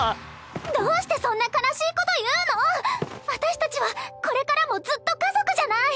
⁉どうしてそんな悲しいこと言うの⁉私たちはこれからもずっと家族じゃない！